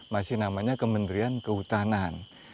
masih namanya kementerian kehutanan